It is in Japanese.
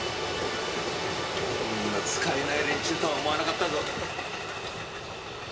こんな使えない連中とは思わなかったぞ。